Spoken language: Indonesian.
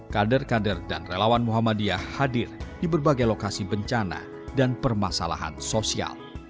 kader kader dan relawan muhammadiyah hadir di berbagai lokasi bencana dan permasalahan sosial